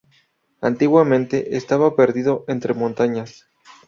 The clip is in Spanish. Antiguamente estaba perdido entre montañas.